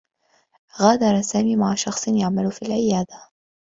غادر سامي مع شخص يعمل في العيادة.